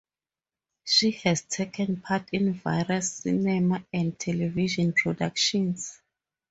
She has taken part in various cinema and television productions.